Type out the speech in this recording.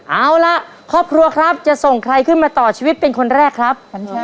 เอาละครอบครัวจะส่งใครมาต่อชีวิตคนแรกครับ